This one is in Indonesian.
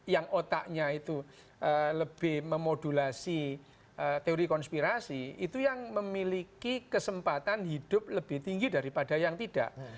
yang otaknya itu lebih memodulasi teori konspirasi itu yang memiliki kesempatan hidup lebih tinggi daripada yang tidak